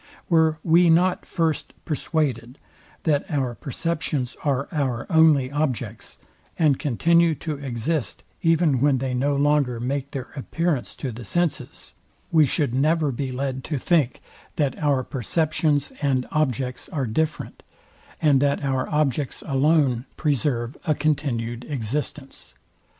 Were we not first perswaded, that our perceptions are our only objects, and continue to exist even when they no longer make their appearance to the senses, we should never be led to think, that our perceptions and objects are different, and that our objects alone preserve a continued existence.